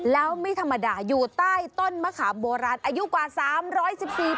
แล้วไม่ธรรมดาอยู่ใต้ต้นมะขามโบราณอายุกว่า๓๑๔ปี